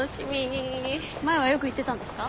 前はよく行ってたんですか？